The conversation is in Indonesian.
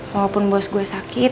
walaupun bos gue sakit